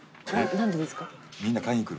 何でですか？